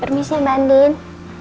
permisi mbak andin